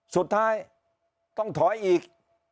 สุดท้ายต้องถอยอีก